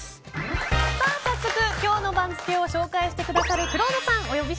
早速今日の番付を紹介してくださるくろうとさんです。